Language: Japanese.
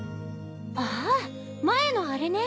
ああ前のあれね。